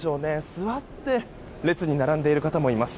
座って列に並んでいる方もいます。